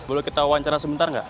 boleh kita wawancara sebentar nggak